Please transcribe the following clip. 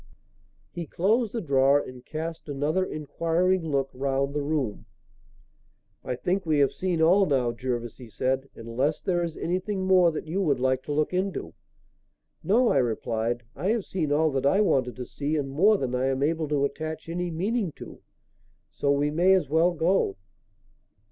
He closed the drawer and cast another inquiring look round the room. "I think we have seen all now, Jervis," he said, "unless there is anything more that you would like to look into?" "No," I replied. "I have seen all that I wanted to see and more than I am able to attach any meaning to. So we may as well go."